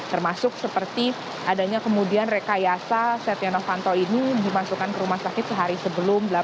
termasuk seperti adanya kemudian rekayasa setia novanto ini dimasukkan ke rumah sakit sehari sebelum